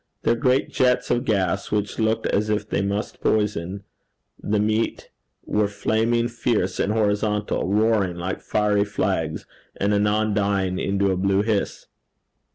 Their great jets of gas, which looked as if they must poison the meat, were flaming fierce and horizontal, roaring like fiery flags, and anon dying into a blue hiss.